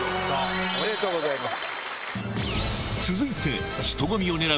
おめでとうございます。